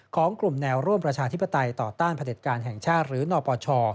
ของกลุ่มแนวร่วมประชาธิปไตยต่อต้านผลิตการแห่งชาติหรือนปช